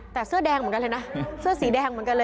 แต่เสื้อแดงเหมือนกันเลยนะเสื้อสีแดงเหมือนกันเลย